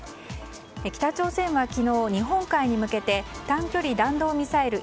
北朝鮮は昨日、日本海に向けて短距離弾道ミサイル